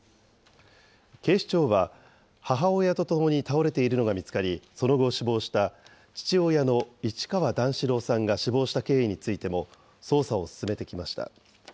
警視庁は、母親とともに倒れているのが見つかり、その後、死亡した、父親の市川段四郎さんが死亡した経緯についても、捜査を進めてきました。